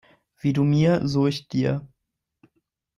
Wie du mir, so ich dir.